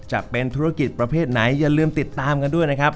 จะเป็นธุรกิจประเภทไหนอย่าลืมติดตามกันด้วยนะครับ